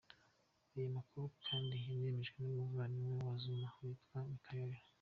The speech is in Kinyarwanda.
Aya makuru kandi yanemejwe n’umuvandimwe wa Zuma witwa Michael.